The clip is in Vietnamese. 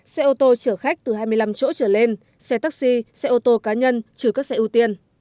xe ô tô chở khách từ hai mươi năm chỗ trở lên xe taxi xe ô tô cá nhân trừ các xe ưu tiên